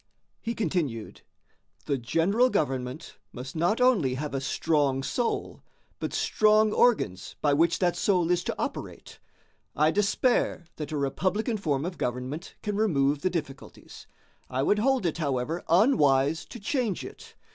He continued: "The general government must not only have a strong soul, but strong organs by which that soul is to operate. I despair that a republican form of government can remove the difficulties; I would hold it, however, unwise to change it.